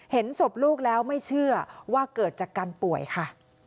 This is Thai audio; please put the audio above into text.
เห็นศพลูกแล้วไม่เชื่อว่าเกิดจากการป่วยค่ะ